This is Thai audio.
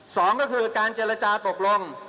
สองก็คือการเจรจาตกลง